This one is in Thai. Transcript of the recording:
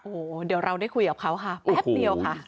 โอ้โหเดี๋ยวเราได้คุยกับเขาค่ะแป๊บเดียวค่ะ